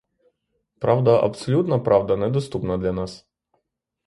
Правда, абсолютна правда недоступна для нас.